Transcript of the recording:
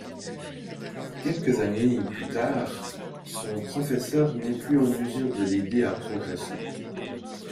Quelques années plus tard, son professeur n'est plus en mesure de l'aider à progresser.